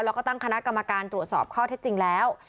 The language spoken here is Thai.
แล้วก็ตั้งคณะกรรมการตรวจสอบข้อเท็จจริงแล้ว